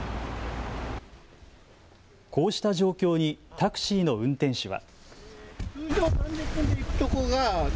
こうした状況にタクシーの運転手は。